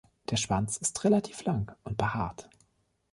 Der Schwanz ist relativ lang und behaart.